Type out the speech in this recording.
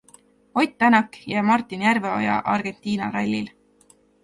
Ott Tänak ja Martin Järveoja Argentina rallil.